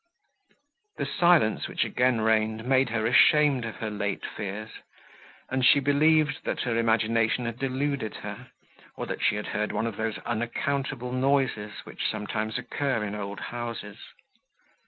The silence, which again reigned, made her ashamed of her late fears, and she believed, that her imagination had deluded her, or that she had heard one of those unaccountable noises, which sometimes occur in old houses.